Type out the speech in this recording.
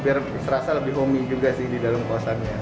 biar serasa lebih homey juga sih di dalam kosannya